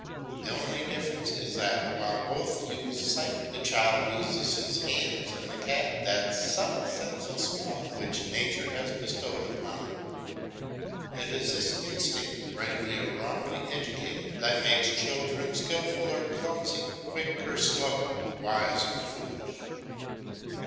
The only difference is that, while both use sight, the child uses his hands and the cat that subtle sense of smell which nature has bestowed upon it. It is this instinct, rightly or wrongly educated, which makes children skilful or clumsy, quick or slow, wise or foolish.